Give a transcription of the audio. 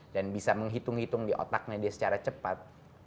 dan bisa menghitung hitung di otaknya dia secara cepat